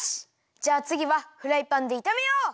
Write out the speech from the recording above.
じゃあつぎはフライパンでいためよう！